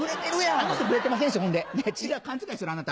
あの人グレてませんしほんで勘違いしてるあなた。